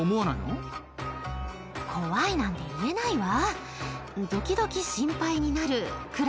怖いなんて言えないわ。